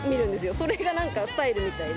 それがなんかスタイルみたいで。